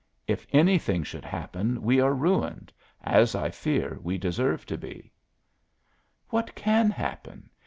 If anything should happen we are ruined, as I fear we deserve to be." "What can happen?